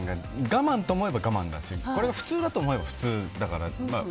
我慢と思えば我慢だしこれが普通だと思えば普通だから。